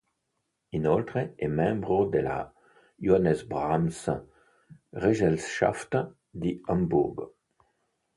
Inoltre è membro della Johannes-Brahms Gesellschaft di Amburgo.